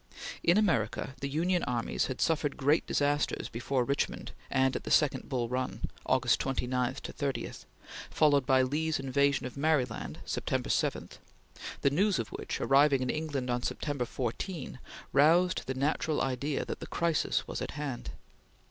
In America the Union armies had suffered great disasters before Richmond and at the second Bull Run, August 29 30, followed by Lee's invasion of Maryland, September 7, the news of which, arriving in England on September 14, roused the natural idea that the crisis was at hand.